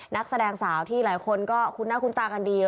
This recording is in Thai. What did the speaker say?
นักแสดงสาวที่หลายคนก็คุ้นหน้าคุ้นตากันดี